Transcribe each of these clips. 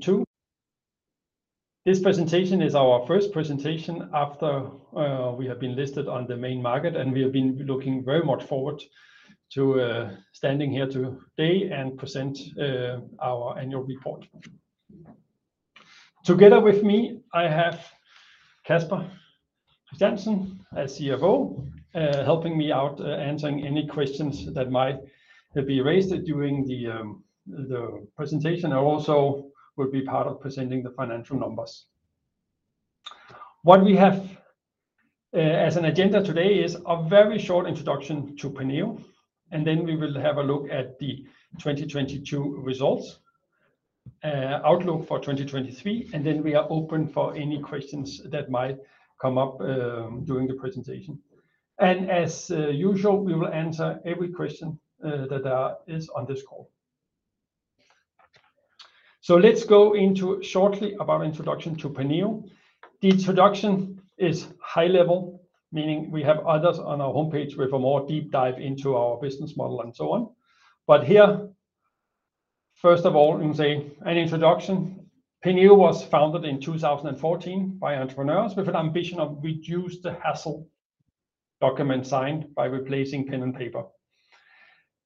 Two. This presentation is our first presentation after we have been listed on the main market. We have been looking very much forward to standing here today and present our annual report. Together with me, I have Casper Jensen as CFO, helping me out, answering any questions that might be raised during the presentation and also will be part of presenting the financial numbers. What we have as an agenda today is a very short introduction to Penneo. Then we will have a look at the 2022 results, outlook for 2023. Then we are open for any questions that might come up during the presentation. As usual, we will answer every question that is on this call. Let's go into shortly about introduction to Penneo. The introduction is high level, meaning we have others on our homepage with a more deep dive into our business model and so on. Here, first of all, you can say an introduction. Penneo was founded in 2014 by entrepreneurs with an ambition of reduce the hassle document signed by replacing pen and paper.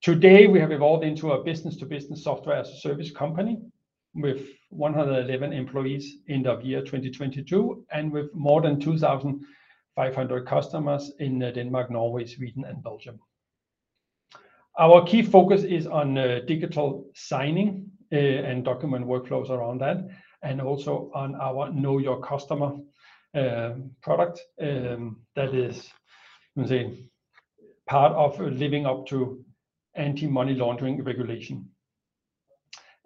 Today, we have evolved into a business to business Software as a Service company with 111 employees end of year 2022, and with more than 2,500 customers in Denmark, Norway, Sweden and Belgium. Our key focus is on digital signing and document workflows around that and also on our Know Your Customer product that is, you can say, part of living up to anti-money laundering regulation.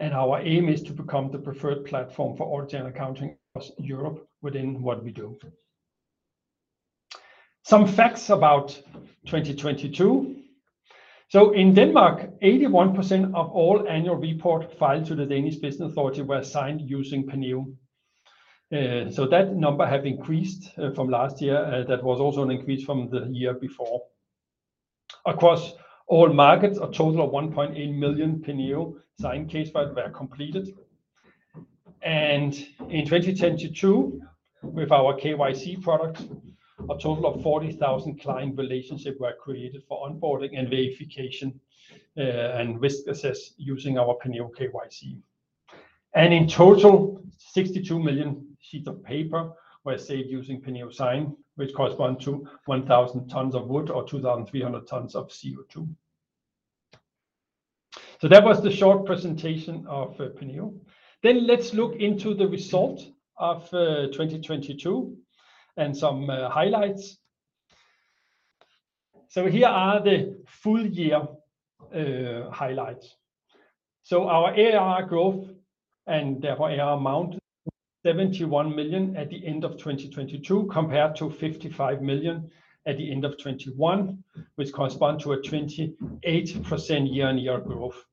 Our aim is to become the preferred platform for audit and accounting across Europe within what we do. Some facts about 2022. In Denmark, 81% of all annual report filed to the Danish Business Authority were signed using Penneo. That number have increased from last year, that was also an increase from the year before. Across all markets, a total of 1.8 million Penneo Sign case files were completed. In 2022, with our KYC products, a total of 40,000 client relationship were created for onboarding and verification, and risk assess using our Penneo KYC. In total, 62 million sheets of paper were saved using Penneo Sign, which correspond to 1,000 tons of wood or 2,300 tons of CO2. That was the short presentation of Penneo. Let's look into the result of 2022 and some highlights. Here are the full year highlights. Our ARR growth, and therefore ARR amount, 71 million at the end of 2022 compared to 55 million at the end of 2021, which correspond to a 28% YoY growth.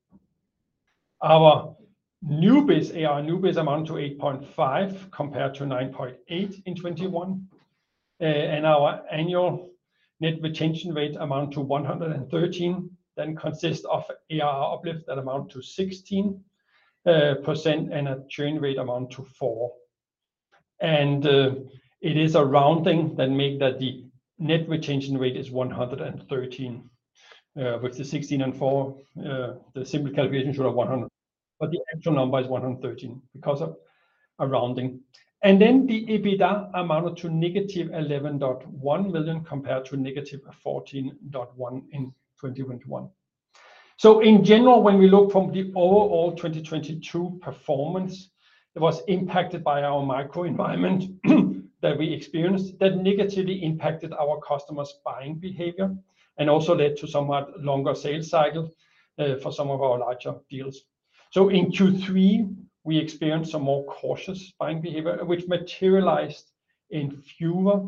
Our New Biz, ARR New Biz amount to 8.5 compared to 9.8 in 2021. Our annual net retention rate amount to 113, consist of ARR uplift that amount to 16% and a churn rate amount to 4. It is a rounding that make that the net retention rate is 113, with the 16 and 4, the simple calculation should have 100. The actual number is 113 because of a rounding. The EBITDA amounted to -11.1 million compared to -14.1 in 2021. In general, when we look from the overall 2022 performance, it was impacted by our microenvironment that we experienced that negatively impacted our customers' buying behavior and also led to somewhat longer sales cycle for some of our larger deals. In Q3, we experienced some more cautious buying behavior, which materialized in fewer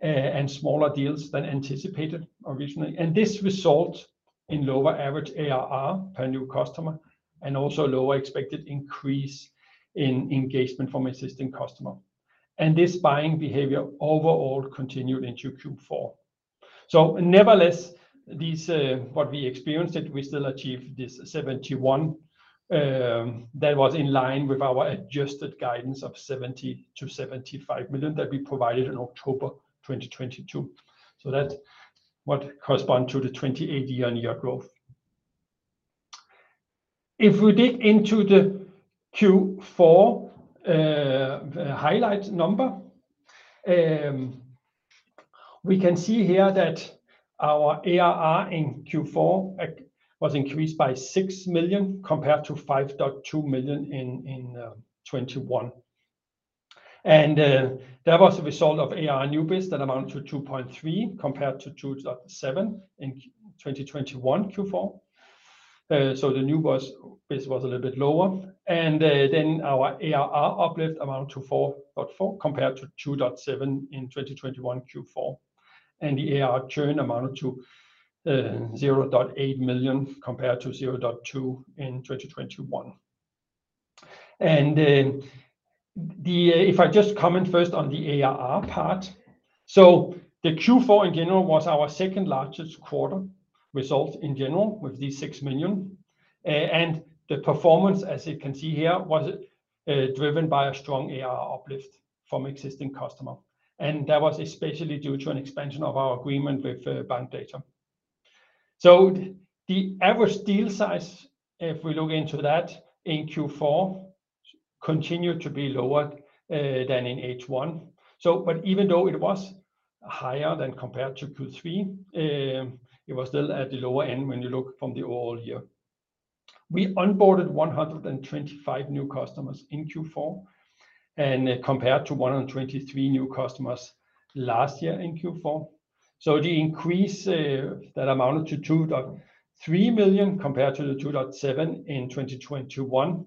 and smaller deals than anticipated originally. This result in lower average ARR per new customer and also lower expected increase in engagement from existing customer. This buying behavior overall continued into Q4. Nevertheless, these, what we experienced, that we still achieve this 71 million, that was in line with our adjusted guidance of 70 million-75 million that we provided in October 2022. That's what correspond to the 28% YoY growth. If we dig into the Q4 highlight number, we can see here that our ARR in Q4 was increased by 6 million compared to 5.2 million in 2021. That was a result of ARR New Biz that amount to 2.3 million compared to 2.7 million in 2021 Q4. The New Biz was a little bit lower. Then our ARR uplift amount to 4.4 million compared to 2.7 million in 2021 Q4. The ARR churn amounted to 0.8 million compared to 0.2 million in 2021. The, if I just comment first on the ARR part. The Q4 in general was our second largest quarter result in general with these 6 million. The performance, as you can see here, was driven by a strong ARR uplift from existing customer. That was especially due to an expansion of our agreement with Bankdata. The average deal size, if we look into that in Q4, continued to be lower than in H1. Even though it was higher than compared to Q3, it was still at the lower end when you look from the all year. We onboarded 125 new customers in Q4 and compared to 123 new customers last year in Q4. The increase that amounted to 2.3 million compared to 2.7 million in 2021,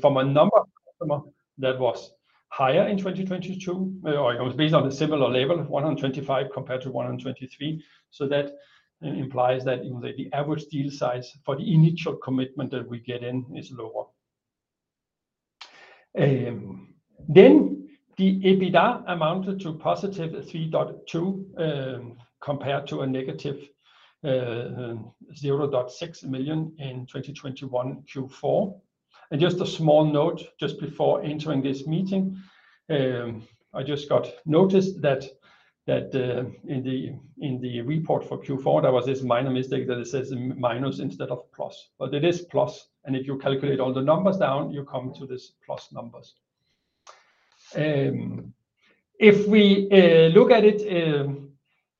from a number customer that was higher in 2022, or it was based on a similar level, 125 compared to 123. That implies that, you know, the average deal size for the initial commitment that we get in is lower. The EBITDA amounted to +3.2 million, compared to a -0.6 million in 2021 Q4. Just a small note, just before entering this meeting, I just got noticed that in the report for Q4, there was this minor mistake that it says minus instead of plus, but it is plus. If you calculate all the numbers down, you come to this plus numbers. If we look at it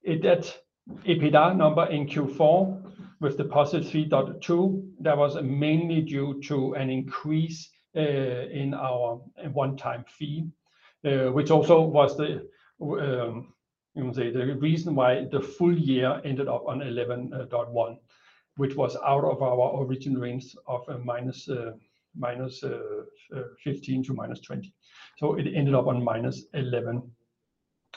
at that EBITDA number in Q4 with the +3.2 million, that was mainly due to an increase in our one-time fee, which also was the reason why the full year ended up on 11.1 million, which was out of our original range of -15 million to -20 million. It ended up on -11 million.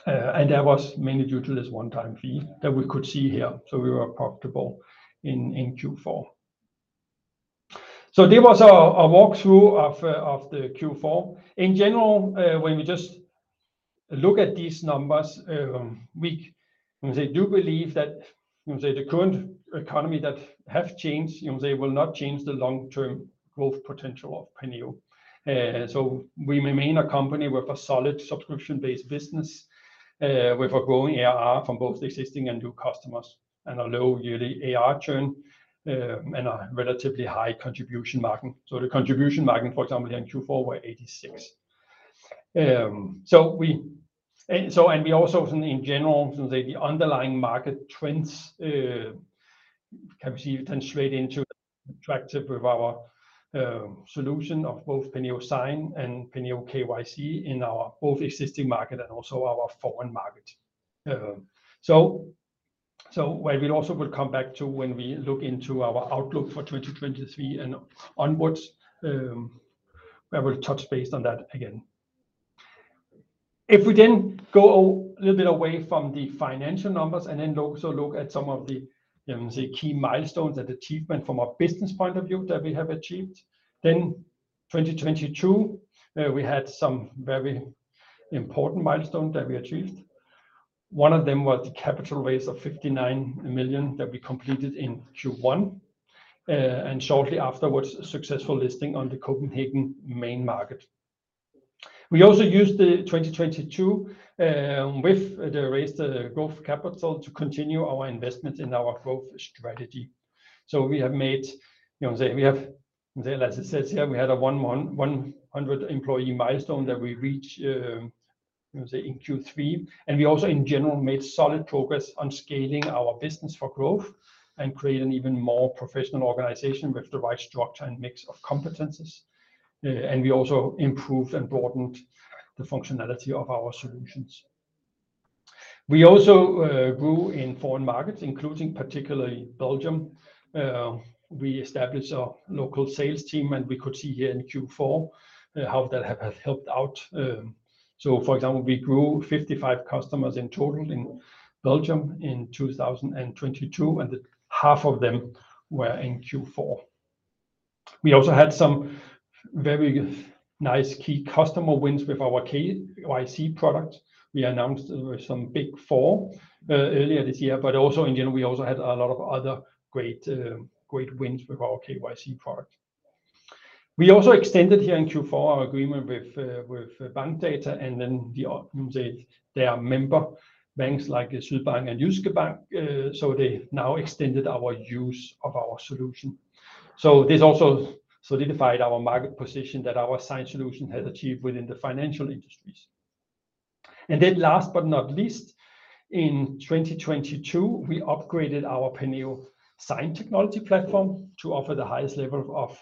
And that was mainly due to this one-time fee that we could see here. We were profitable in Q4. There was a walk through of the Q4. In general, when we just look at these numbers, we do believe that the current economy that have changed, you know, they will not change the long-term growth potential of Penneo. We remain a company with a solid subscription-based business, with a growing ARR from both existing and new customers, and a low yearly ARR churn, and a relatively high contribution margin. The contribution margin, for example, in Q4 were 86%. We also in general, you can say the underlying market trends, can see translate into attractive with our solution of both Penneo Sign and Penneo KYC in our both existing market and also our foreign market. Where we also will come back to when we look into our outlook for 2023 and onwards, where we'll touch base on that again. We go a little bit away from the financial numbers and also look at some of the key milestones that achievement from a business point of view that we have achieved. 2022, we had some very important milestone that we achieved. One of them was the capital raise of 59 million that we completed in Q1, and shortly afterwards, successful listing on the Copenhagen main market. We also used the 2022 with the raised growth capital to continue our investment in our growth strategy. We have made, we have, as it says here, we had a 100 employees milestone that we reach in Q3. We also in general, made solid progress on scaling our business for growth and create an even more professional organization with the right structure and mix of competencies. We also improved and broadened the functionality of our solutions. We also grew in foreign markets, including particularly Belgium. We established a local sales team, and we could see here in Q4, how that have helped out. For example, we grew 55 customers in total in Belgium in 2022, and half of them were in Q4. We also had some very nice key customer wins with our Penneo KYC product. We announced some big four earlier this year, but also in general, we also had a lot of other great great wins with our Penneo KYC product. We also extended here in Q4 our agreement with Bankdata and their member banks like Sydbank and Jyske Bank. They now extended our use of our solution. This also solidified our market position that our Sign solution has achieved within the financial industries. Last but not least, in 2022, we upgraded our Penneo Sign technology platform to offer the highest level of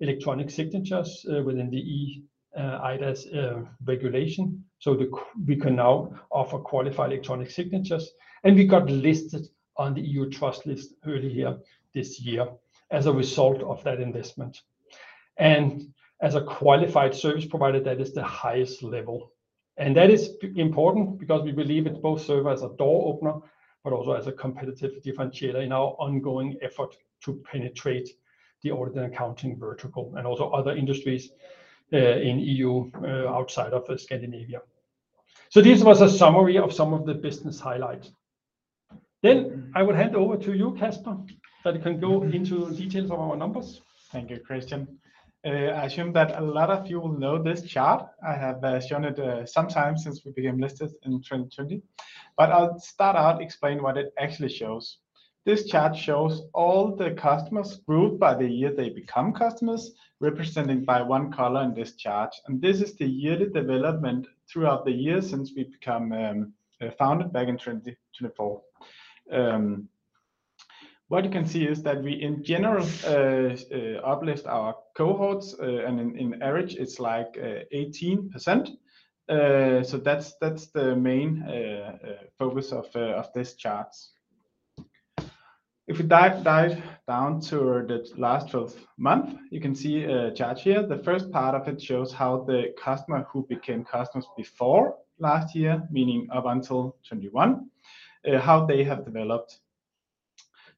electronic signatures within the eIDAS regulation so we can now offer qualified electronic signatures. We got listed on the EU Trust List earlier this year as a result of that investment. As a qualified service provider, that is the highest level. That is important because we believe it both serve as a door opener, but also as a competitive differentiator in our ongoing effort to penetrate the audit and accounting vertical and also other industries, in E.U., outside of Scandinavia. This was a summary of some of the business highlights. I would hand over to you, Casper, that you can go into the details of our numbers. Thank you, Christian. I assume that a lot of you will know this chart. I have shown it sometimes since we became listed in 2020. I'll start out explain what it actually shows. This chart shows all the customers grouped by the year they become customers, represented by one color in this chart. This is the yearly development throughout the years since we've become founded back in 2014. What you can see is that we in general uplift our cohorts, and in average it's like 18%. That's the main focus of this charts. If we dive down to the last 12 month, you can see a chart here. The first part of it shows how the customer who became customers before last year, meaning up until 2021, how they have developed.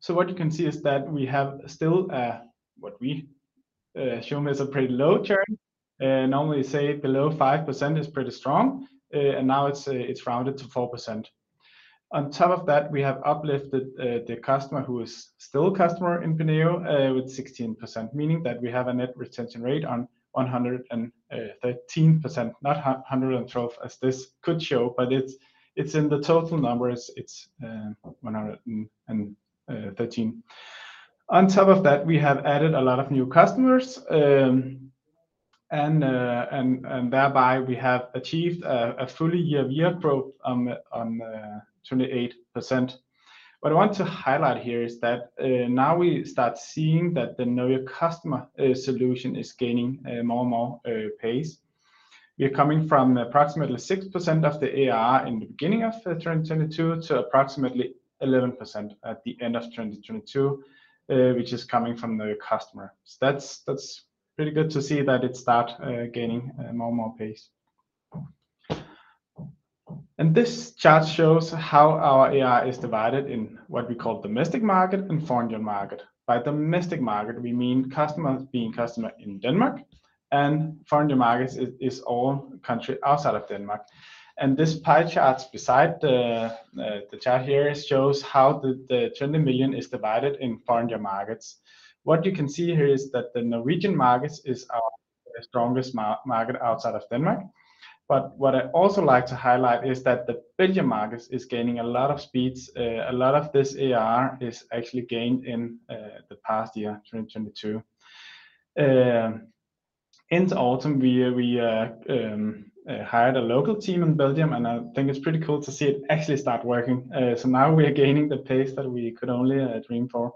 What you can see is that we have still, what we assume is a pretty low churn, normally say below 5% is pretty strong. Now it's rounded to 4%. On top of that, we have uplifted the customer who is still a customer in Penneo, with 16%, meaning that we have a net retention rate on 113%, not 112% as this could show, but it's in the total numbers it's 113%. On top of that, we have added a lot of new customers, and thereby we have achieved a fully year-over-year growth on 28%. What I want to highlight here is that now we start seeing that the newer customer solution is gaining more and more pace. We're coming from approximately 6% of the ARR in the beginning of 2022 to approximately 11% at the end of 2022, which is coming from the new customer. That's pretty good to see that it start gaining more and more pace. This chart shows how our ARR is divided in what we call domestic market and foreign market. By domestic market, we mean customers being customer in Denmark and foreign markets is all country outside of Denmark. This pie chart beside the chart here shows how the 20 million is divided in foreign markets. What you can see here is that the Norwegian markets is our strongest market outside of Denmark. What I also like to highlight is that the Belgium markets is gaining a lot of speeds. A lot of this ARR is actually gained in the past year, 2022. In autumn we hired a local team in Belgium, and I think it's pretty cool to see it actually start working. Now we are gaining the pace that we could only dream for.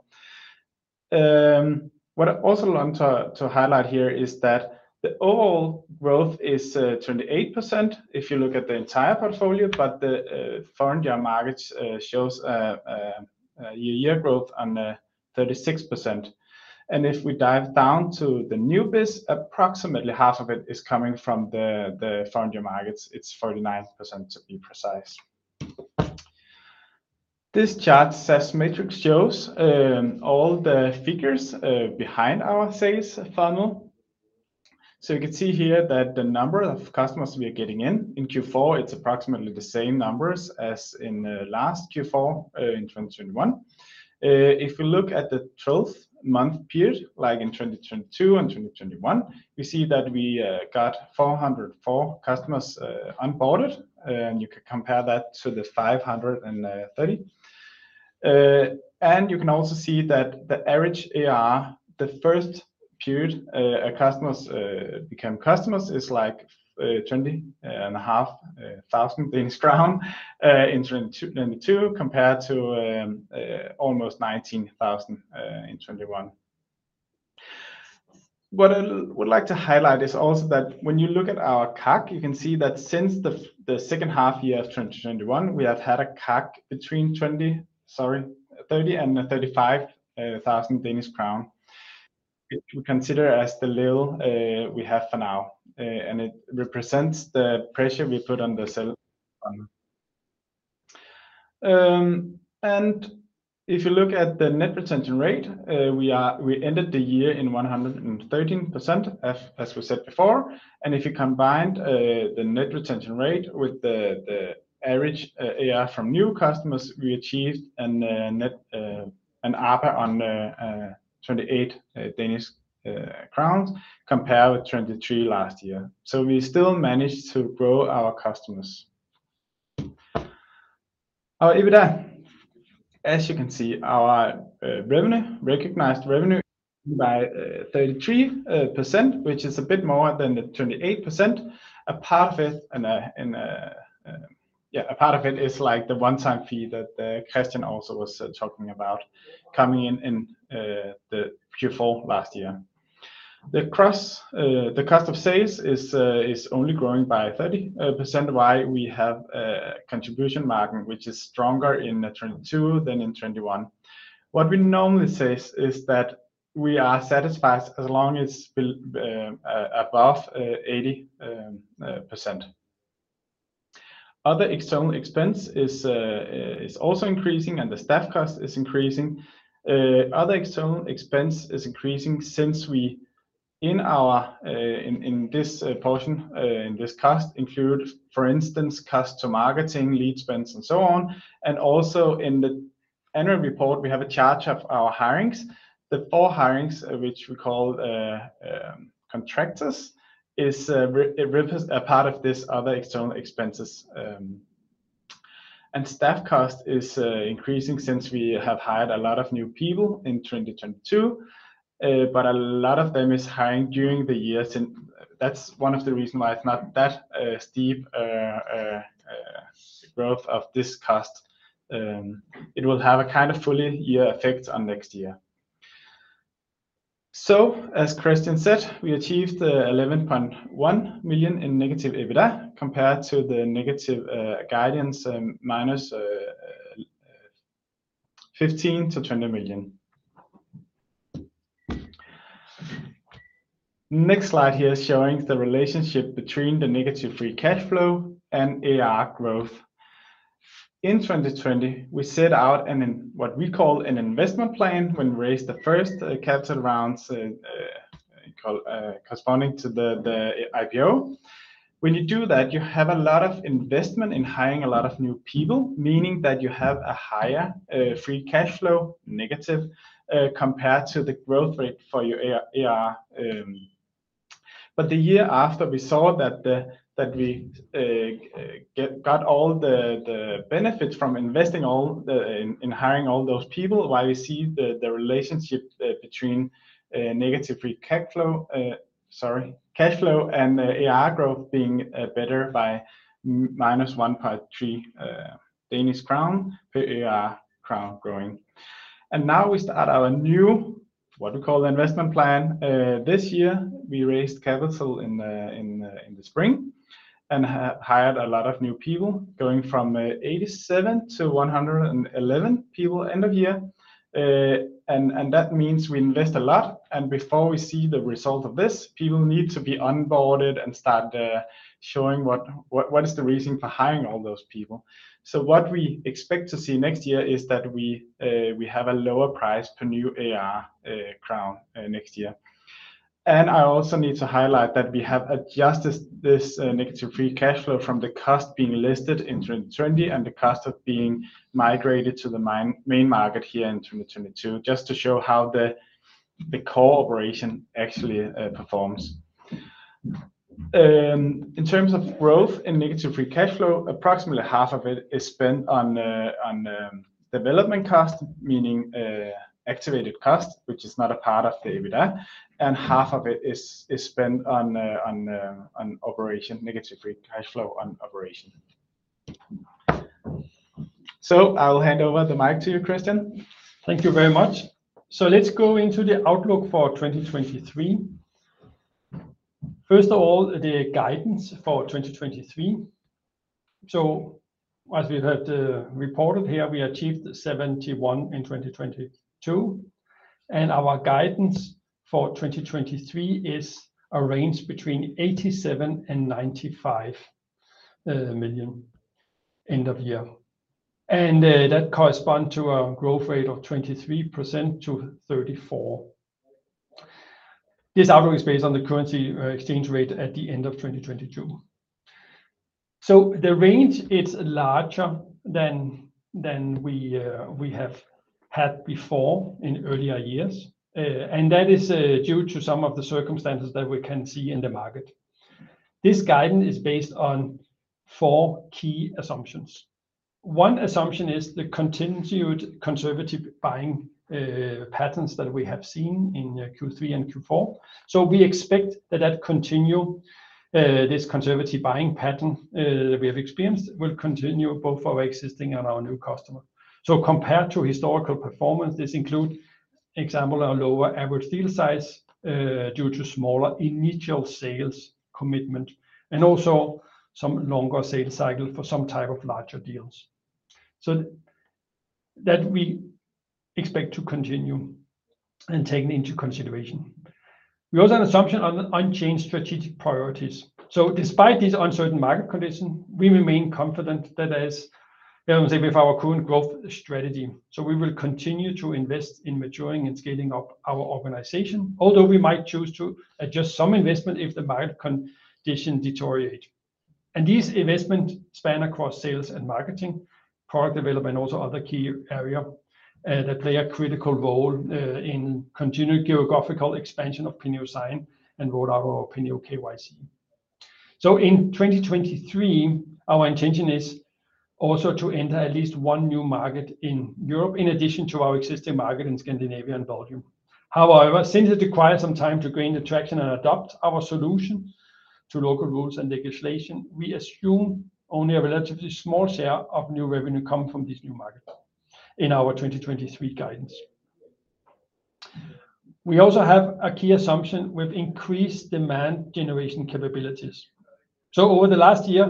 What I also want to highlight here is that the overall growth is 28% if you look at the entire portfolio. The foreign markets shows a year-over-year growth on 36%. If we dive down to the new business, approximately half of it is coming from the foreign markets. It's 49% to be precise. This chart says matrix shows all the figures behind our sales funnel. You can see here that the number of customers we are getting in Q4, it's approximately the same numbers as in last Q4 in 2021. If you look at the 12-month period, like in 2022 and 2021, we see that we got 404 customers onboarded, and you can compare that to the 530. You can also see that the average ARR, the first period, our customers become customers is like 20.5 thousand Danish crown in 2022 compared to almost 19,000 in 2021. What I would like to highlight is also that when you look at our CAC, you can see that since the second half year of 2021, we have had a CAC between 30,000 and 35,000 Danish crown. We consider as the little we have for now. It represents the pressure we put on the sales funnel. If you look at the net retention rate, we ended the year in 113% as we said before. If you combined the net retention rate with the average ARR from new customers, we achieved a net an ARR on 28 Danish crowns compared with 23 last year. We still managed to grow our customers. Our EBITDA, as you can see, our revenue, recognized revenue by 33%, which is a bit more than the 28%. A part of it and yeah, a part of it is like the one-time fee that Christian also was talking about coming in in the Q4 last year. The cost of sales is only growing by 30%. Why? We have a contribution margin, which is stronger in 2022 than in 2021. What we normally says is that we are satisfied as long as it's above 80%. Other external expense is also increasing. The staff cost is increasing. Other external expense is increasing since we in our in this portion in this cost include, for instance, cost to marketing, lead spends and so on. Also in the annual report, we have a charge of our hirings. The four hirings, which we call contractors, is re-repose a part of this other external expenses. Staff cost is increasing since we have hired a lot of new people in 2022. A lot of them is hired during the year since. That's one of the reason why it's not that steep growth of this cost. It will have a kind of full year effect on next year. As Christian said, we achieved 11.1 million in negative EBITDA compared to the negative guidance, -15 million--20 million. Next slide here is showing the relationship between the negative free cash flow and ARR growth. In 2020, we set out what we call an investment plan when we raised the first capital rounds corresponding to the IPO. When you do that, you have a lot of investment in hiring a lot of new people, meaning that you have a higher free cash flow, negative, compared to the growth rate for your ARR. The year after, we saw that we got all the benefits from investing in hiring all those people. While we see the relationship between negative free cash flow, sorry, cash flow and ARR growth being better by -1.3 Danish crown per ARR DKK growing. Now we start our new, what we call investment plan. This year we raised capital in the spring and hired a lot of new people, going from 87-111 people end of year. That means we invest a lot. Before we see the result of this, people need to be onboarded and start showing what is the reasoning for hiring all those people. What we expect to see next year is that we have a lower price per new ARR DKK next year. I also need to highlight that we have adjusted this negative free cash flow from the cost being listed in 2020 and the cost of being migrated to the main market here in 2022. Just to show how the core operation actually performs. In terms of growth in negative free cash flow, approximately half of it is spent on development cost, meaning activated cost, which is not a part of the EBITDA, and half of it is spent on operation, negative free cash flow on operation. I'll hand over the mic to you, Christian. Thank you very much. Let's go into the outlook for 2023. First of all, the guidance for 2023. As we have reported here, we achieved 71 million in 2022, and our guidance for 2023 is a range between 87 million and 95 million end of year. That correspond to a growth rate of 23%-34%. This outlook is based on the currency exchange rate at the end of 2022. The range is larger than we have had before in earlier years. That is due to some of the circumstances that we can see in the market. This guidance is based on four key assumptions. One assumption is the continued conservative buying patterns that we have seen in Q3 and Q4. We expect that that continue, this conservative buying pattern we have experienced will continue both for our existing and our new customer. Compared to historical performance, this include example, our lower average deal size due to smaller initial sales commitment and also some longer sales cycle for some type of larger deals, so that we expect to continue and taken into consideration. We also have an assumption on unchanged strategic priorities. Despite these uncertain market conditions, we remain confident that as, you know, with our current growth strategy. We will continue to invest in maturing and scaling up our organization. Although we might choose to adjust some investment if the market condition deteriorate. These investments span across sales and marketing, product development, also other key area that play a critical role in continued geographical expansion of Penneo Sign and roll out our Penneo KYC. In 2023, our intention is also to enter at least one new market in Europe in addition to our existing market in Scandinavia and Belgium. However, since it requires some time to gain traction and adopt our solution to local rules and legislation, we assume only a relatively small share of new revenue come from this new market in our 2023 guidance. We also have a key assumption with increased demand generation capabilities. Over the last year,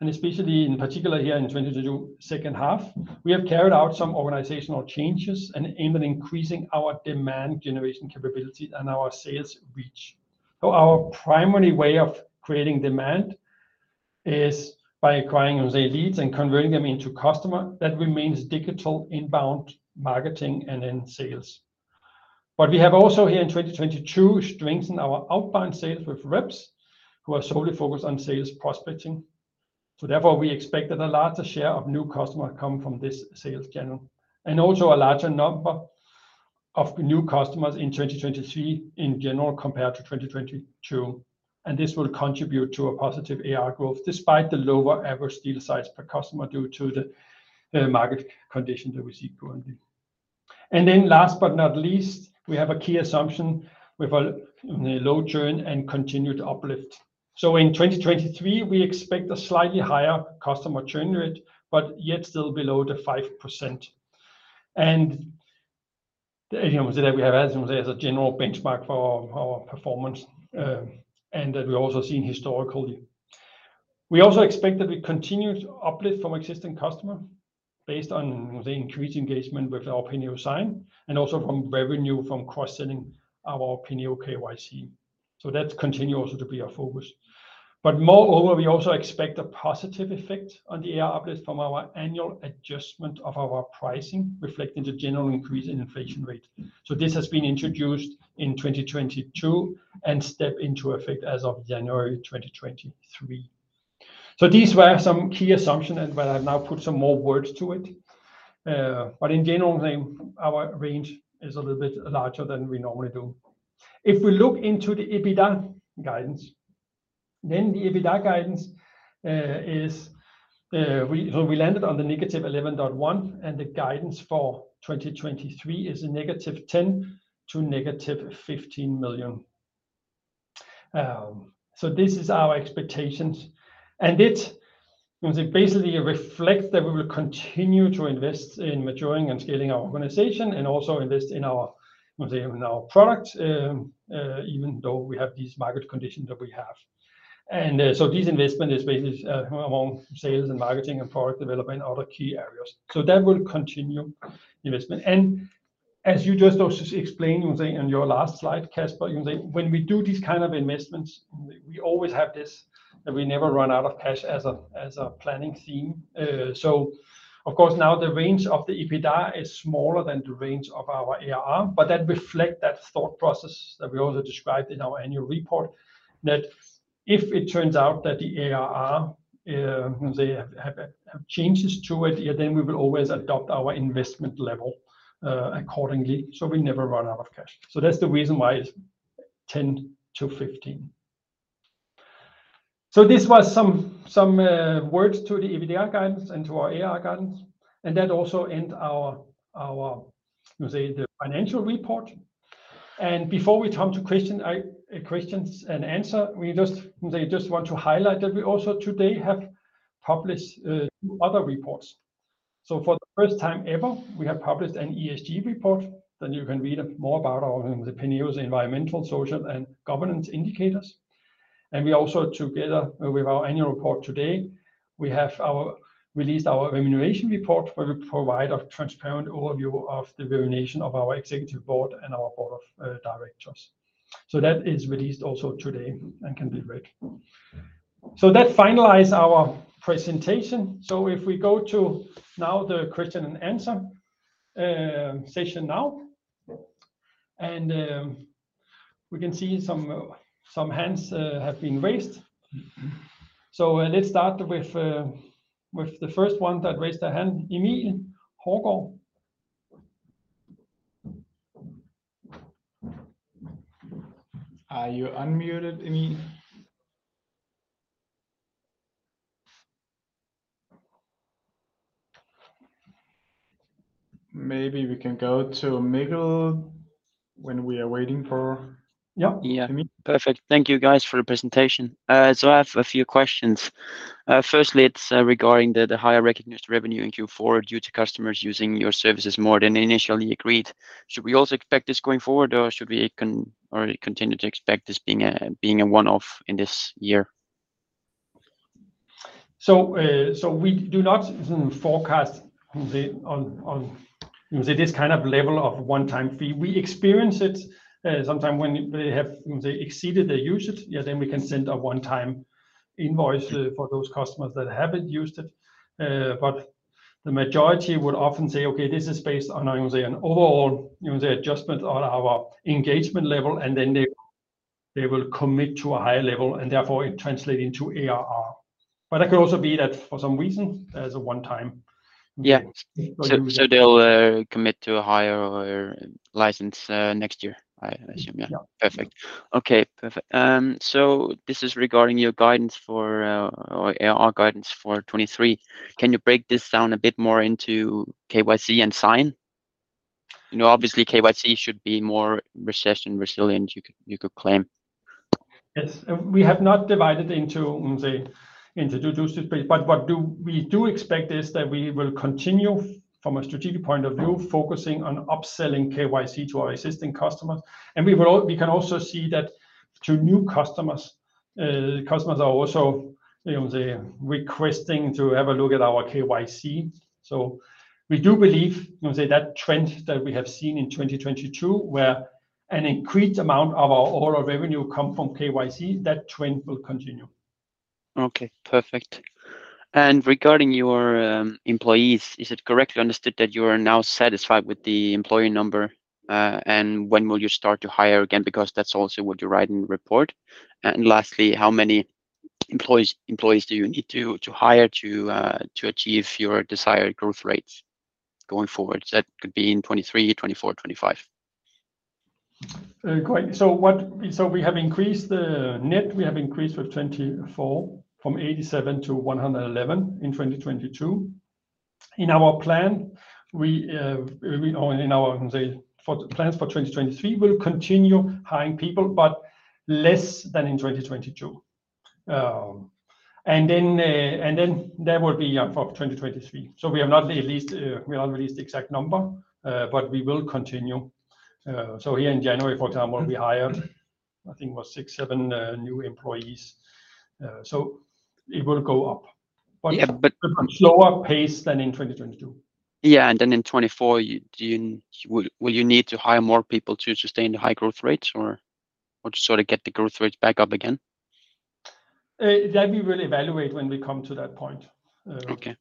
and especially in particular here in 2022 second half, we have carried out some organizational changes and aim at increasing our demand generation capability and our sales reach. Our primary way of creating demand is by acquiring, let's say, leads and converting them into customer that remains digital inbound marketing and then sales. We have also here in 2022 strengthened our outbound sales with reps who are solely focused on sales prospecting. Therefore, we expect that a larger share of new customer come from this sales channel. Also a larger number of new customers in 2023 in general compared to 2022, and this will contribute to a positive ARR growth despite the lower average deal size per customer due to the market condition that we see currently. Then last but not least, we have a key assumption with a low churn and continued uplift. In 2023 we expect a slightly higher customer churn rate, but yet still below the 5%. You know, today we have, as I said, a general benchmark for our performance, and that we also seen historically. We also expect that we continue to uplift from existing customer based on the increased engagement with our Penneo Sign, and also from revenue from cross-selling our Penneo KYC. That continue also to be our focus. Moreover, we also expect a positive effect on the ARR uplift from our annual adjustment of our pricing, reflecting the general increase in inflation rate. This has been introduced in 2022 and step into effect as of January 2023. These were some key assumption and where I've now put some more words to it. In general, our range is a little bit larger than we normally do. If we look into the EBITDA guidance, then the EBITDA guidance is we landed on -11.1 million, and the guidance for 2023 is -10 million to -15 million. This is our expectations, and it basically reflects that we will continue to invest in maturing and scaling our organization and also invest in our, let's say, in our product, even though we have these market conditions that we have. This investment is basically among sales and marketing and product development are the key areas. That will continue investment. As you just also explained, let's say, on your last slide, Casper, you know, when we do these kind of investments, we always have this, that we never run out of cash as a, as a planning theme. Of course now the range of the EBITDA is smaller than the range of our ARR, that reflect that thought process that we also described in our annual report, that if it turns out that the ARR, let's say, have changes to it, then we will always adopt our investment level accordingly, so we never run out of cash. That's the reason why it's -10 million to -15 million. This was some words to the EBITDA guidance and to our ARR guidance, and that also end our, let's say, the financial report. Before we come to questions and answer, we just, let's say, want to highlight that we also today have published two other reports. For the first time ever, we have published an ESG report that you can read more about our, let's say, Penneo's environmental, social and governance indicators. We also, together with our annual report today, we have released our remuneration report where we provide a transparent overview of the remuneration of our executive board and our board of directors. That is released also today and can be read. That finalize our presentation. If we go to now the question and answer session now. We can see some hands have been raised. Let's start with the first one that raised their hand. Emil Hørgaard. Are you unmuted, Emil? Maybe we can go to Miguel when we are waiting for... Yeah, Emil. Yeah. Perfect. Thank you guys for the presentation. I have a few questions. Firstly, it's regarding the higher recognized revenue in Q4 due to customers using your services more than they initially agreed. Should we also expect this going forward, or should we continue to expect this being a one-off in this year? We do not forecast on, let's say, this kind of level of one-time fee. We experience it, sometime when they have, let's say, exceeded their usage. Then we can send a one-time invoice for those customers that haven't used it. The majority would often say, "Okay, this is based on, I would say, an overall, let's say, adjustment on our engagement level," and then they will commit to a higher level and therefore it translate into ARR. That could also be that for some reason as a one time. Yeah. They'll commit to a higher license next year, I assume. Yeah. Yeah. Perfect. Okay, perfect. This is regarding your guidance for, or ARR guidance for 2023. Can you break this down a bit more into KYC and Sign? You know, obviously KYC should be more recession resilient, you could claim. Yes. We have not divided into, let's say- Introduce to space. what do we do expect is that we will continue from a strategic point of view, focusing on upselling KYC to our existing customers. we will we can also see that to new customers are also, you know, they're requesting to have a look at our KYC. we do believe, you know, that trend that we have seen in 2022, where an increased amount of our overall revenue come from KYC, that trend will continue. Okay. Perfect. Regarding your employees, is it correctly understood that you are now satisfied with the employee number? When will you start to hire again? Because that's also what you write in the report. Lastly, how many employees do you need to hire to achieve your desired growth rates going forward? That could be in 2023, 2024, 2025. Great. We have increased the net. We have increased with 24 from 87 to 111 in 2022. In our plan, we... In our plans for 2023, we'll continue hiring people, but less than in 2022. Then that will be, yeah, for 2023. We have not released the exact number, but we will continue. Here in January, for example, we hired, I think it was six, seven, new employees. It will go up. Yeah. Slower pace than in 2022. Yeah. Then in 2024, you, will you need to hire more people to sustain the high growth rates or to sort of get the growth rates back up again? That we will evaluate when we come to that point. Okay.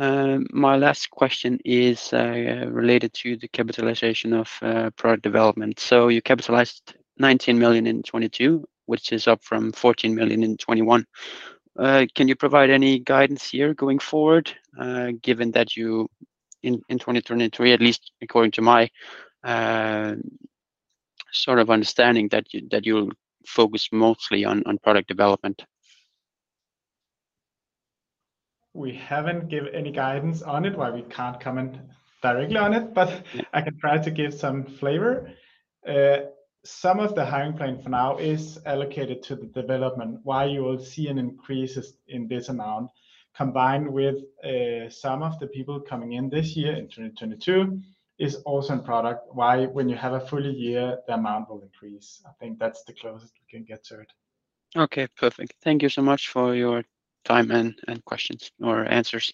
Yeah. My last question is related to the capitalization of product development. You capitalized 19 million in 2022, which is up from 14 million in 2021. Can you provide any guidance here going forward, given that you in 2023, at least according to my sort of understanding that you'll focus mostly on product development? We haven't given any guidance on it. While we can't comment directly on it, I can try to give some flavor. Some of the hiring plan for now is allocated to the development. While you will see an increase is in this amount combined with, some of the people coming in this year in 2022 is also in product. Why? When you have a full year, the amount will increase. I think that's the closest we can get to it. Okay. Perfect. Thank you so much for your time and questions or answers.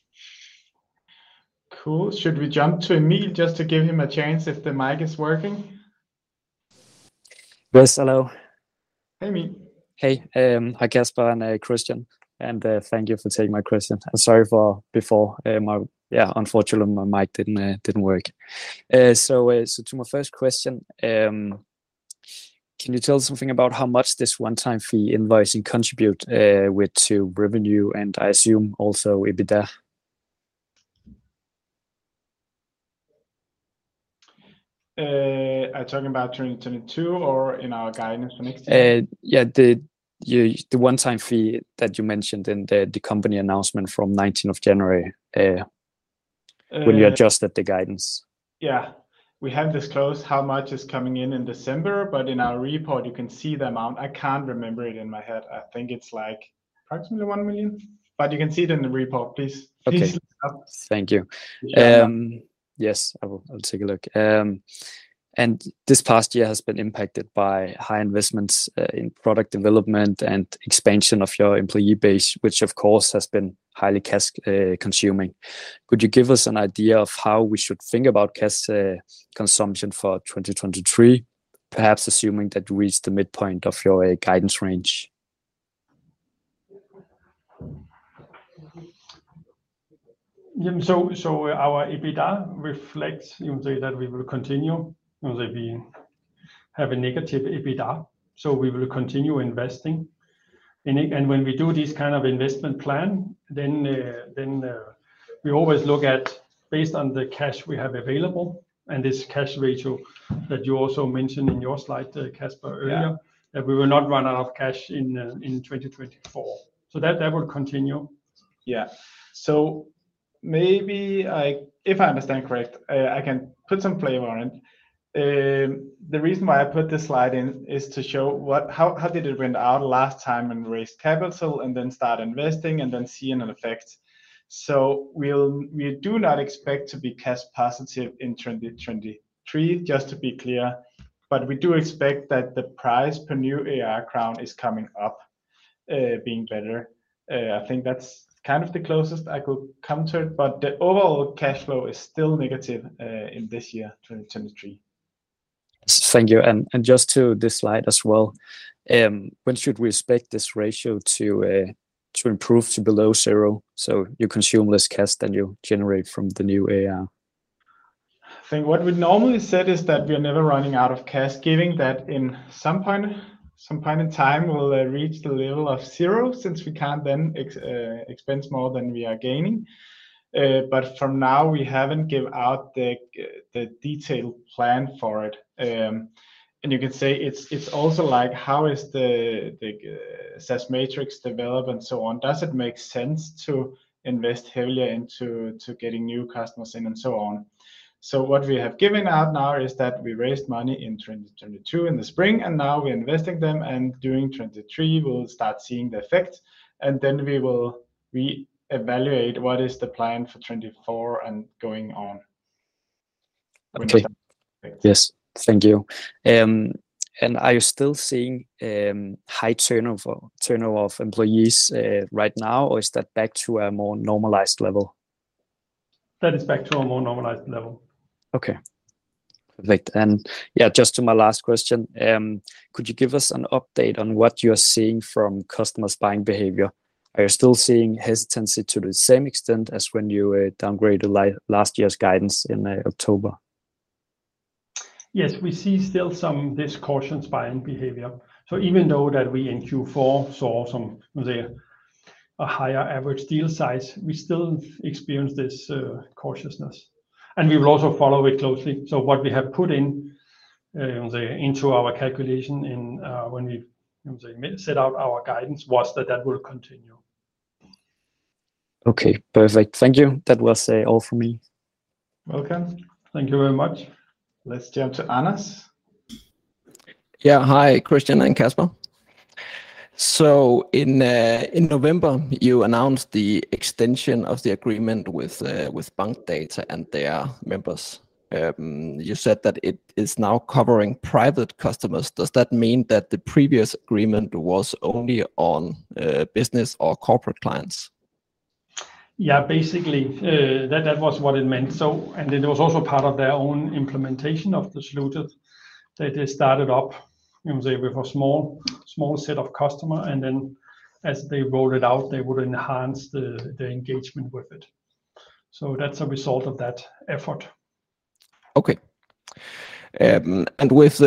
Cool. Should we jump to Emil just to give him a chance if the mic is working? Yes. Hello. Hey, Emil. Hey. Hi, Casper and Christian, thank you for taking my question. Sorry for before. Yeah, unfortunately my mic didn't work. To my first question, can you tell something about how much this one-time fee invoicing contribute with to revenue and I assume also EBITDA? Are talking about 2022 or in our guidance for next year? Yeah, the one-time fee that you mentioned in the company announcement from 19th of January. Uh- when you adjusted the guidance. Yeah. We have disclosed how much is coming in in December, but in our report you can see the amount. I can't remember it in my head. I think it's like approximately 1 million, but you can see it in the report, please. Okay. Please look it up. Thank you. Yeah. Yes, I will. I'll take a look. This past year has been impacted by high investments in product development and expansion of your employee base, which of course has been highly cash consuming. Could you give us an idea of how we should think about cash consumption for 2023, perhaps assuming that you reach the midpoint of your guidance range? Yeah. Our EBITDA reflects, you can say, that we will continue. You know, we have a negative EBITDA, so we will continue investing. When we do this kind of investment plan, then, we always look at based on the cash we have available and this cash ratio that you also mentioned in your slide, Casper earlier. Yeah... that we will not run out of cash in 2024. That will continue. Maybe if I understand correct, I can put some flavor on it. The reason why I put this slide in is to show how did it went out last time and raise capital and then start investing and then see an effect. We do not expect to be cash positive in 2023, just to be clear. We do expect that the price per new AR DKK is coming up, being better. I think that's kind of the closest I could come to it, the overall cash flow is still negative in this year, 2023. Thank you. Just to this slide as well, when should we expect this ratio to improve to below zero so you consume less cash than you generate from the new ARR? I think what we normally said is that we are never running out of cash, giving that in some point, some point in time we will reach the level of zero, since we can't then expense more than we are gaining. From now we haven't give out the detailed plan for it. You can say it's also like how is the SaaS metrics develop and so on? Does it make sense to invest heavily into, to getting new customers in and so on? What we have given out now is that we raised money in 2022 in the spring, and now we're investing them. During 2023 we'll start seeing the effect, we will reevaluate what is the plan for 2024 and going on. Okay. Yes. Thank you. Are you still seeing high turnover of employees right now or is that back to a more normalized level? That is back to a more normalized level. Okay. Perfect. Yeah, just to my last question, could you give us an update on what you're seeing from customers' buying behavior? Are you still seeing hesitancy to the same extent as when you downgraded last year's guidance in October? Yes. We see still some discautious buying behavior. Even though that we in Q4 saw some, you know say, a higher average deal size, we still experience this cautiousness and we will also follow it closely. What we have put in, you know say, into our calculation in, when we, you know say, set out our guidance was that that will continue. Okay. Perfect. Thank you. That was all for me. Welcome. Thank you very much. Let's jump to Anas. Yeah. Hi, Christian and Casper. In November you announced the extension of the agreement with Bankdata and their members. You said that it is now covering private customers. Does that mean that the previous agreement was only on business or corporate clients? Yeah, basically, that was what it meant. It was also part of their own implementation of the solution that they started up, you know say, with a small set of customer and then as they rolled it out they would enhance the engagement with it. That's a result of that effort. Okay. With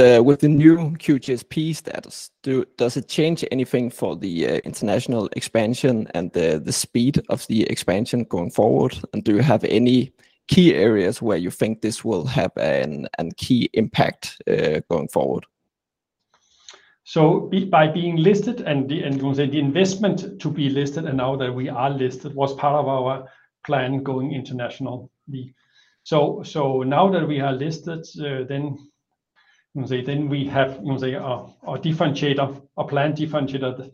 the new QTSP status does it change anything for the international expansion and the speed of the expansion going forward? Do you have any key areas where you think this will have a key impact going forward? By being listed and you say the investment to be listed and now that we are listed was part of our plan going international. Now that we are listed, then, you know say, then we have, you know say, a differentiator, a plan differentiator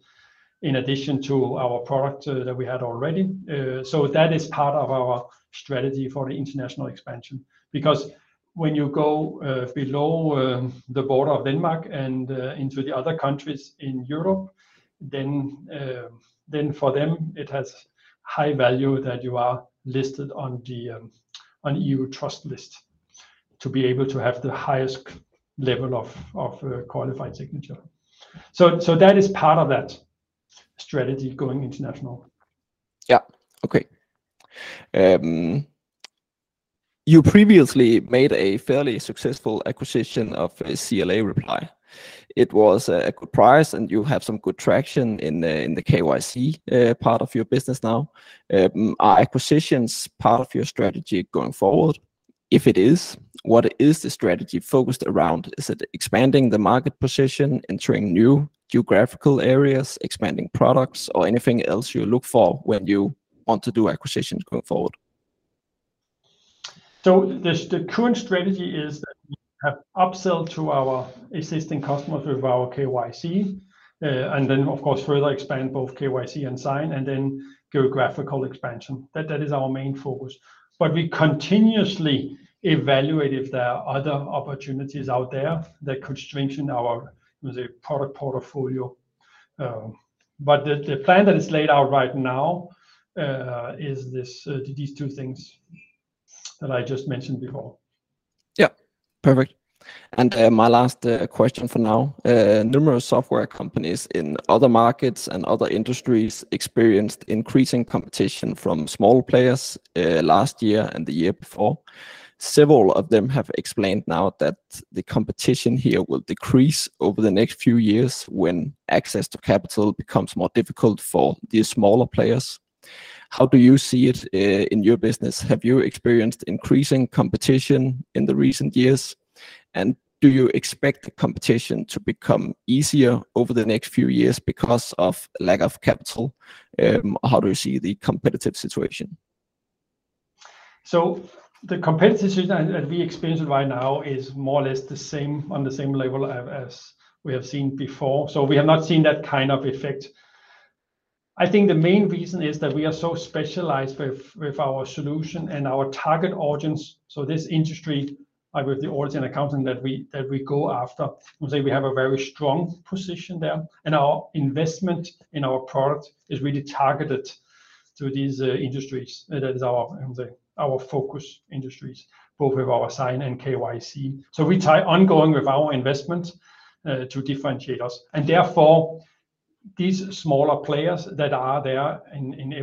in addition to our product that we had already. That is part of our strategy for the international expansion because when you go below the border of Denmark and into the other countries in Europe then for them it has high value that you are listed on the E.U. Trust List to be able to have the highest level of qualified signature. That is part of that strategy going international. Yeah. Okay. You previously made a fairly successful acquisition of a CLA Reply. It was a good price and you have some good traction in the KYC part of your business now. Are acquisitions part of your strategy going forward? If it is, what is the strategy focused around? Is it expanding the market position, entering new geographical areas, expanding products or anything else you look for when you want to do acquisitions going forward? The current strategy is that we have upsell to our existing customers with our KYC, and then of course further expand both KYC and Sign and then geographical expansion. That is our main focus. We continuously evaluate if there are other opportunities out there that could strengthen our, you know, product portfolio. The plan that is laid out right now, is this, these two things that I just mentioned before. Yeah. Perfect. My last question for now. Numerous software companies in other markets and other industries experienced increasing competition from small players, last year and the year before. Several of them have explained now that the competition here will decrease over the next few years when access to capital becomes more difficult for these smaller players. How do you see it in your business? Have you experienced increasing competition in the recent years and do you expect the competition to become easier over the next few years because of lack of capital? How do you see the competitive situation? The competitive situation that we experience right now is more or less the same, on the same level as we have seen before. We have not seen that kind of effect. I think the main reason is that we are so specialized with our solution and our target audience, so this industry, like with the audit and accounting that we go after, you know say, we have a very strong position there and our investment in our product is really targeted to these industries. That is our, you know say, our focus industries both with our Penneo Sign and Penneo KYC. We try ongoing with our investment to differentiate us and therefore these smaller players that are there in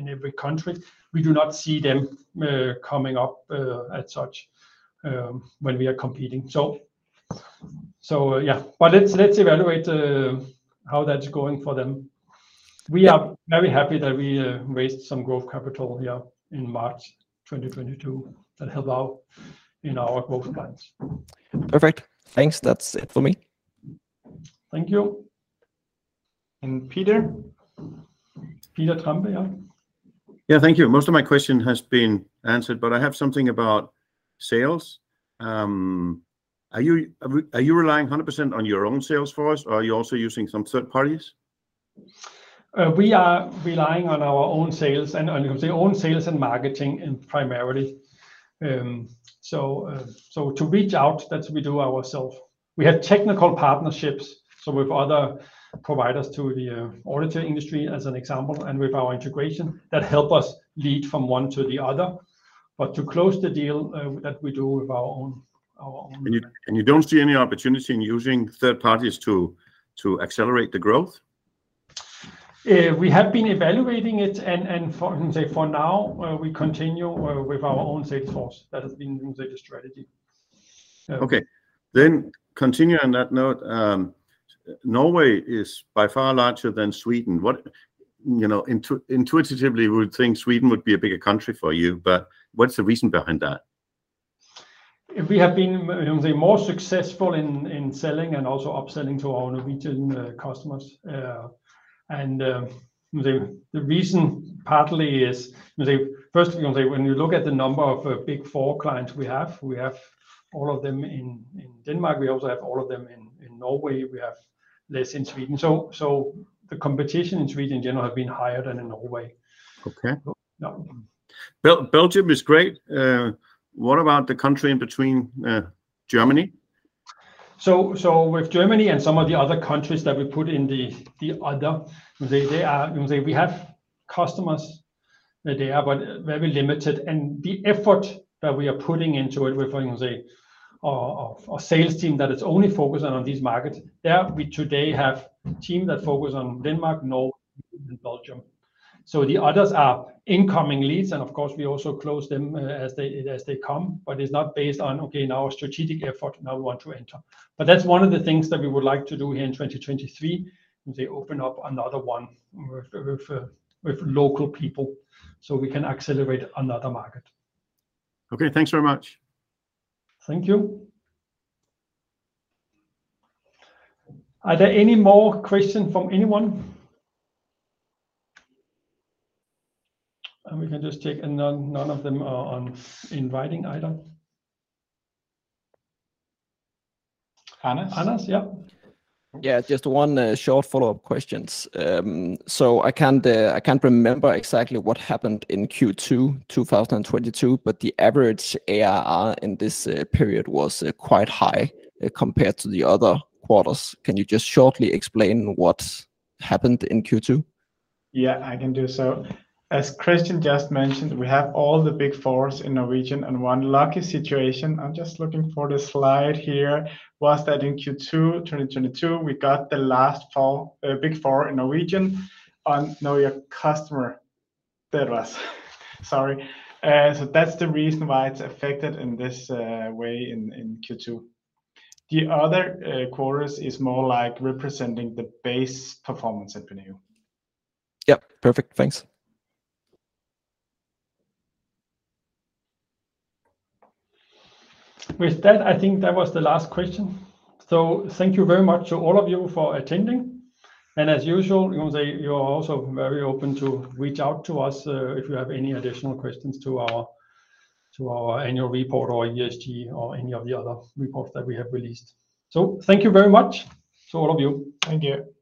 every country we do not see them coming up at such when we are competing. Yeah. Let's evaluate how that's going for them. We are very happy that we raised some growth capital here in March 2022 that help out in our growth plans. Perfect. Thanks. That's it for me. Thank you. Peter. Peter Trampe, yeah. Yeah. Thank you. Most of my question has been answered but I have something about sales. Are you relying 100% on your own sales force or are you also using some third parties? We are relying on our own sales and marketing in primarily. To reach out, that we do ourself. We have technical partnerships, so with other providers to the auditor industry as an example, and with our integration that help us lead from one to the other. To close the deal, that we do with our own. You don't see any opportunity in using third parties to accelerate the growth? We have been evaluating it and for now, we continue with our own sales force. That has been the strategy. Okay. continue on that note, Norway is by far larger than Sweden. You know, intuitively we would think Sweden would be a bigger country for you, but what's the reason behind that? We have been, you know, say, more successful in selling and also upselling to our Norwegian customers. The reason partly is, say, first, you know, say, when you look at the number of big four clients we have, we have all of them in Denmark. We also have all of them in Norway. We have less in Sweden. The competition in Sweden in general have been higher than in Norway. Okay. Yeah. Belgium is great. What about the country in between, Germany? With Germany and some of the other countries that we put in the other, we have customers there, but very limited. The effort that we are putting into it with, say, our sales team that is only focused on these markets, there we today have team that focus on Denmark, Norway and Belgium. The others are incoming leads, and of course we also close them as they come. It's not based on, okay, now strategic effort now we want to enter. That's one of the things that we would like to do here in 2023, say, open up another one with local people so we can accelerate another market. Okay. Thanks very much. Thank you. Are there any more question from anyone? We can just check. None of them are on in writing either. Anders. Anders, yeah. Yeah, just one short follow-up questions. I can't remember exactly what happened in Q2 2022, but the average ARR in this period was quite high compared to the other quarters. Can you just shortly explain what happened in Q2? Yeah, I can do so. As Christian just mentioned, we have all the big fours in Norwegian and one lucky situation, I'm just looking for the slide here, was that in Q2 2022 we got the last four, Big Four in Norwegian on Know Your Customer. [inaudible] Sorry. That's the reason why it's affected in this way in Q2. The other quarters is more like representing the base performance revenue. Yep. Perfect. Thanks. With that, I think that was the last question. Thank you very much to all of you for attending. As usual, you know, say, you are also very open to reach out to us, if you have any additional questions to our annual report or ESG or any of the other reports that we have released. Thank you very much to all of you. Thank you.